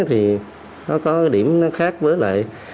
thì nó có điểm khác với lại